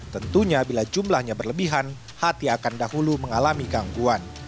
tentunya bila jumlahnya berlebihan hati akan dahulu mengalami gangguan